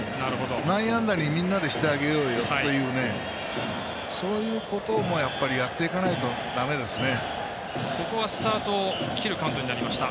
内野安打にみんなでしてあげようよというそういうこともやっていかないとだめですね。